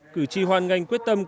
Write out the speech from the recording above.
cử tri hoan nganh quyết tâm